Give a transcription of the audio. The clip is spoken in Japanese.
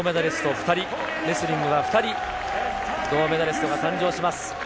２人、レスリングは２人、銅メダリストが誕生します。